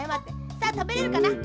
さあたべれるかな？